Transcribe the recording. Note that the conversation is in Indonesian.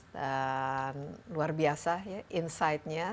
luar biasa ya insightnya